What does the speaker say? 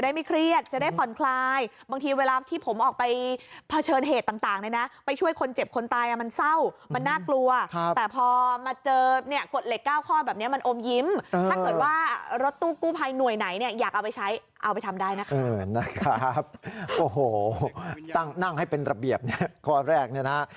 นะครับโอ้โหตั้งนั่งให้เป็นระเบียบเนี่ยข้อแรกเนี่ยนะครับ